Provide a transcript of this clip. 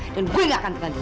dan gue nggak akan tengah duit